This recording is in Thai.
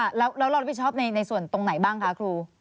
แล้วเรารับผิดชอบในส่วนตรงไหนบ้างคะครู